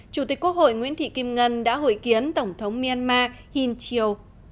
chủ tịch quốc hội nguyễn thị kim ngân đã hội kiến tổng thống myanmar hin chieu